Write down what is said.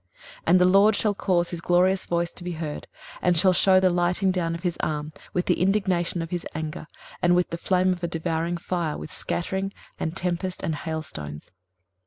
23:030:030 And the LORD shall cause his glorious voice to be heard, and shall shew the lighting down of his arm, with the indignation of his anger, and with the flame of a devouring fire, with scattering, and tempest, and hailstones.